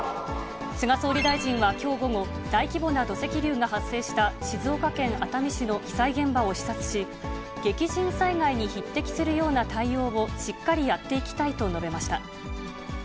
菅総理大臣はきょう午後、大規模な土石流が発生した静岡県熱海市の被災現場を視察し、激甚災害に匹敵するような対応をしっかりやっていきたいと述べました。